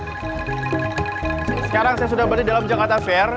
sekarang saya sudah berada dalam jakarta fair